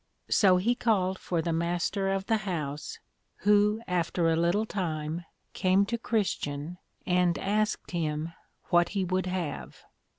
So he called for the Master of the house, who after a little time came to Christian, and asked him what he would have?